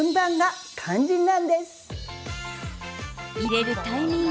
入れるタイミング